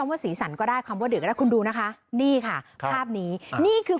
ว่าสีสันก็ได้คำว่าดึกก็ได้คุณดูนะคะนี่ค่ะภาพนี้นี่คือ